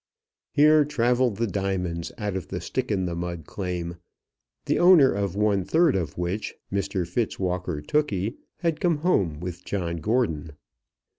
Here travelled the diamonds of the Stick in the Mud claim, the owner of one third of which, Mr Fitzwalker Tookey, had come home with John Gordon.